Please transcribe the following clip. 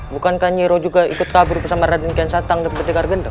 bukankah nyiroh juga ikut kabur bersama raden kian satang dan berdekat gendeng